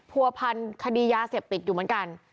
ผัวพันคดียาเสพติดอยู่เหมือนกัน